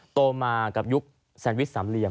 โตมากับยุคแซนวิสสามเรียม